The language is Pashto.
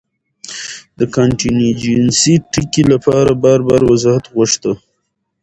د کانټېنجنسي ټکي له پاره بار بار وضاحت غوښتۀ